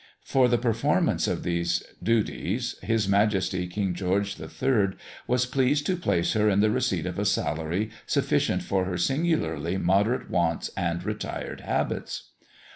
For the performance of these duties, his majesty King George the Third was pleased to place her in the receipt of a salary sufficient for her singularly moderate wants and retired habits.